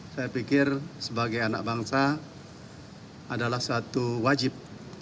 saya pikir sebagai anak bangsa adalah suatu wajib